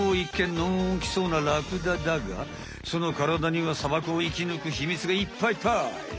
のんきそうなラクダだがそのからだには砂漠を生きぬくヒミツがいっぱいいっぱい。